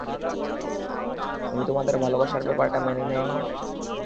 উনি তোমাদের ভালোবাসার ব্যাপারটা মেনে নেয়নি?